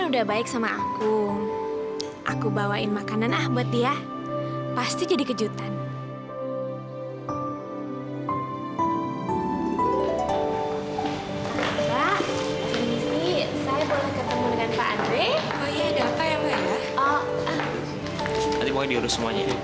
dewi simpenannya jos